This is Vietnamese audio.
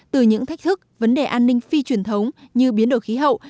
từ những thách thức vấn đề an ninh phi truyền thống như biến đổi khí hậu